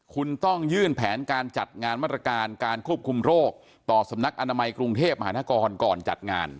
คุณต้องยื่นแผนการจัดงานมาตรการการควบคุมโรคต่อสำนักอนามัยกรุงเทพมหานครก่อนจัดงาน